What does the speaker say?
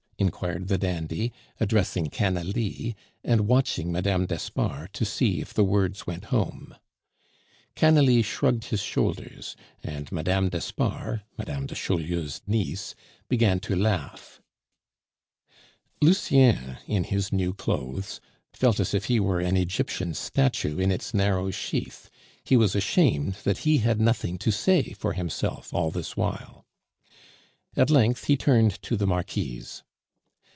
inquired the dandy, addressing Canalis, and watching Mme. d'Espard to see if the words went home. Canalis shrugged his shoulders, and Mme. d'Espard, Mme. de Chaulieu's niece, began to laugh. Lucien in his new clothes felt as if he were an Egyptian statue in its narrow sheath; he was ashamed that he had nothing to say for himself all this while. At length he turned to the Marquise.